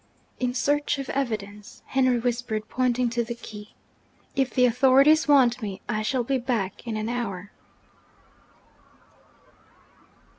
'In search of evidence,' Henry whispered, pointing to the key. 'If the authorities want me, I shall be back in an hour.'